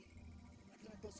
kalian sudah termakan fitnah